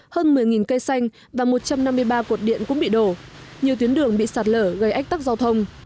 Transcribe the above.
hơn một mươi cây xanh và một trăm năm mươi ba cột điện cũng bị đổ nhiều tuyến đường bị sạt lở gây ách tắc giao thông